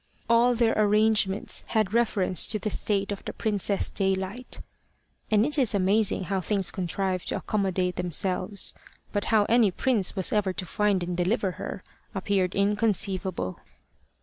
All their arrangements had reference to the state of the Princess Daylight, and it is amazing how things contrive to accommodate themselves. But how any prince was ever to find and deliver her, appeared inconceivable.